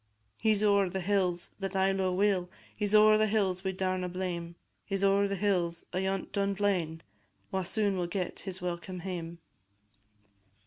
He 's ower the hills that I lo'e weel, He 's ower the hills we daurna name; He 's ower the hills ayont Dunblane, Wha soon will get his welcome hame.